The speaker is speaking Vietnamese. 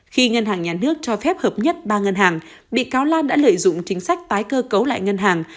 khi ngân hàng nhà nước cho phép hợp nhất ba ngân hàng bị cáo lan đã lợi dụng chính sách tái cơ cấu lại ngân hàng